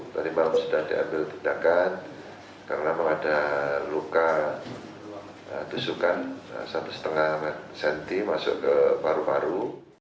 tadi malam sudah diambil tindakan karena memang ada luka tusukan satu lima cm masuk ke paru paru